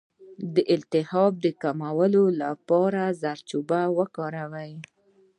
د التهاب د کمولو لپاره زردچوبه وکاروئ